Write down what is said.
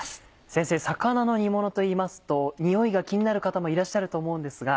先生魚の煮ものといいますとにおいが気になる方もいらっしゃると思うんですが。